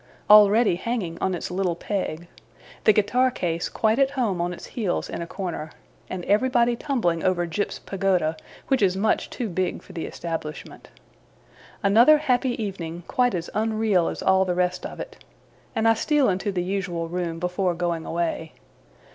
already hanging on its little peg; the guitar case quite at home on its heels in a corner; and everybody tumbling over Jip's pagoda, which is much too big for the establishment. Another happy evening, quite as unreal as all the rest of it, and I steal into the usual room before going away.